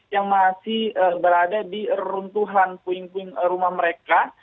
yang masih berada di runtuhan puing puing rumah mereka